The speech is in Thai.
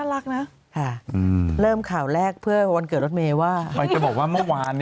นะฮะอืมเริ่มข่าวแรกเพื่อวันเกิดรถเมว่าอาจจะบอกว่าเมื่อวานเนี้ย